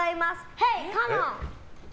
ヘイ、カモン！